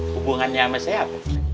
hubungannya sama siapa